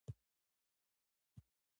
زه د تاریخي ځایونو سفر خوښوم.